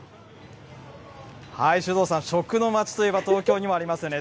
首藤さん、食のまちといえば東京にもありますよね。